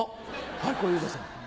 はい小遊三さん。